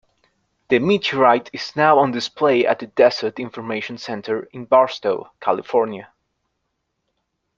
The meteorite is now on display at the Desert Information Center in Barstow, California.